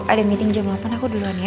ada meeting jam delapan aku duluan ya